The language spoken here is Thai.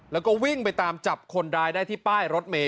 แล้วก็วิ่งไปตามจับคนร้ายได้ที่ป้ายรถเมย